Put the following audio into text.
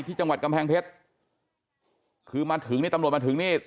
ที่จังหวัดกำแพงเพชรคือมาถึงนี่ตำรวจมาถึงนี่